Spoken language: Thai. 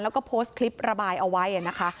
แล้วก็โพสต์คลิประบายเอาไว้นะคะ